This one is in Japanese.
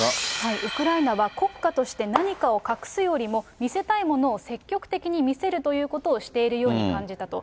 ウクライナは国家として何かを隠すよりも、見せたいものを積極的に見せるということをしているように感じたと。